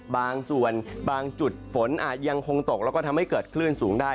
บางส่วนบางจุดฝนอาจยังคงตกแล้วก็ทำให้เกิดคลื่นสูงได้